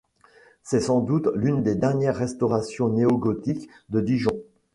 C’est sans doute l'une des dernières restaurations néogothiques de Dijon.